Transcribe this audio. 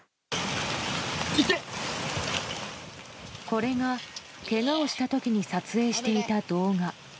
これが、けがをした時に撮影していた動画。